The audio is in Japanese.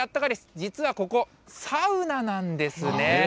実はここ、サウナなんですね。